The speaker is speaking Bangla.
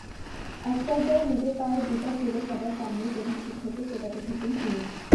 একপর্যায়ে নিজের পায়ের জুতা খুলে সবার সামনেই প্রধান শিক্ষককে পেটাতে থাকেন তিনি।